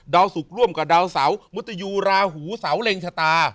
สุขร่วมกับดาวเสามุตยูราหูเสาเล็งชะตา